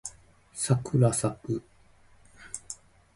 さくらさく